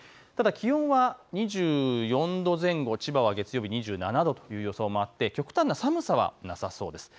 ただ気温は２４度前後、千葉は月曜日２７度という予想もあって極端な寒さはなさそうです。